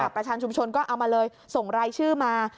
ประธานชุมชนก็เอามาเลยส่งรายชื่อมา